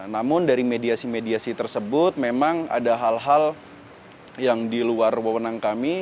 namun dari mediasi mediasi tersebut memang ada hal hal yang di luar wawenang kami